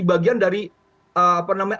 bagian dari apa namanya